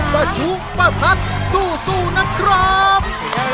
ประชุมประทัดสู้สู้นะครับ